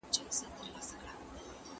په کلي کې باران سوی و.